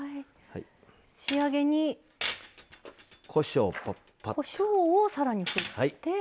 仕上げにこしょうを、さらに振って。